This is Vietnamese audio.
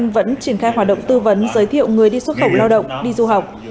trần quang anh đã được triển khai hoạt động tư vấn giới thiệu người đi xuất khẩu lao động đi du học